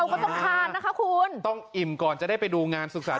ว่าก็ต้องผ่านค่ะคุณต้องหิมก่อนจะได้ไปดูงานศูนย์